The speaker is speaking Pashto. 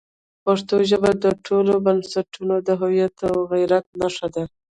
پښتو ژبه د ټولو پښتنو د هویت او غیرت نښه ده.